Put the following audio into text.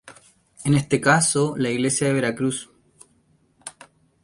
En este caso, la iglesia de la Veracruz.